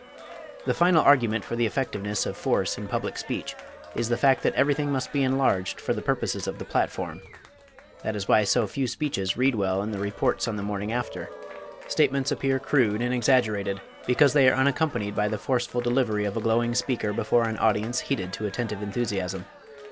The final argument for the effectiveness of force in public speech is the fact that everything must be enlarged for the purposes of the platform that is why so few speeches read well in the reports on the morning after: statements appear crude and exaggerated because they are unaccompanied by the forceful delivery of a glowing speaker before an audience heated to attentive enthusiasm.